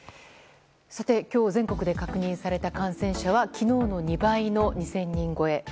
今日全国で確認された感染者は昨日の２倍の２０００人超え。